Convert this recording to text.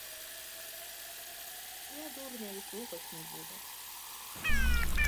Я дурня і слухаць не буду.